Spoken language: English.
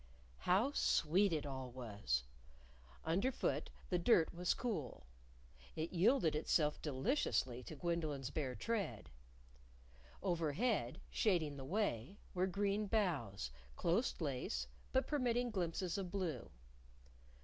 How sweet it all was! Underfoot the dirt was cool. It yielded itself deliciously to Gwendolyn's bare tread. Overhead, shading the way, were green boughs, close laced, but permitting glimpses of blue.